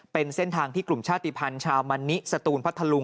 เป็นเส้นทางที่กลุ่มชาติภัณฑ์ชาวมันนิสตูนพัทธลุง